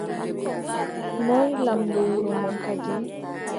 Moy lamɗo wuro mon kadi ?